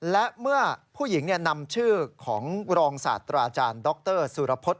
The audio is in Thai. และเมื่อผู้หญิงนำชื่อของรองศัตริ์อาจารย์ด็อกเทอร์สูรพส